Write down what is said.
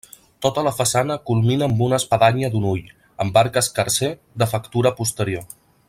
Tota la façana culmina amb una espadanya d'un ull, amb arc escarser, de factura posterior.